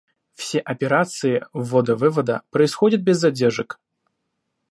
Все операции ввода-вывода происходят без задержек